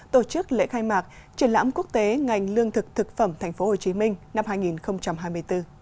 tổ chức lễ khai mạc triển lãm quốc tế ngành lương thực thực phẩm tp hcm năm hai nghìn hai mươi bốn